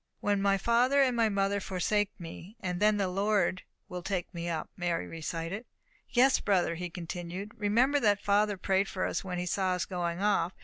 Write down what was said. "When my father and my mother forsake me, then the Lord will take me up," Mary recited. "Yes, brother," he continued, "remember that father prayed for us, when he saw us going off.